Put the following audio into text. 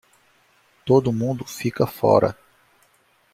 Todo mundo fica fora